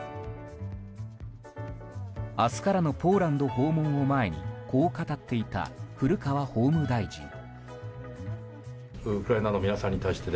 明日からのポーランド訪問を前にこう語っていた、古川法務大臣。